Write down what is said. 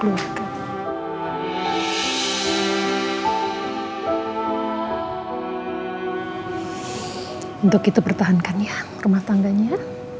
untuk itu pertahankan ya rumah tangganya